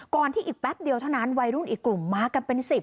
ที่อีกแป๊บเดียวเท่านั้นวัยรุ่นอีกกลุ่มมากันเป็น๑๐